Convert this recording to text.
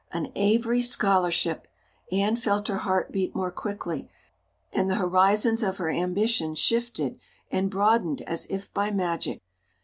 An Avery scholarship! Anne felt her heart beat more quickly, and the horizons of her ambition shifted and broadened as if by magic.